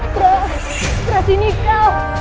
terus terus ini kau